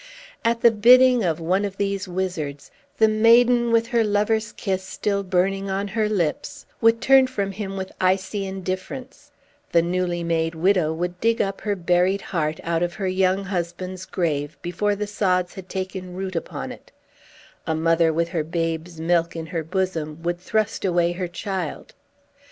At the bidding of one of these wizards, the maiden, with her lover's kiss still burning on her lips, would turn from him with icy indifference; the newly made widow would dig up her buried heart out of her young husband's grave before the sods had taken root upon it; a mother with her babe's milk in her bosom would thrust away her child.